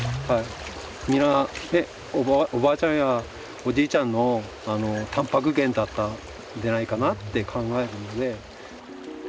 みなおばあちゃんやおじいちゃんのたんぱく源だったんじゃないかなって考えるので。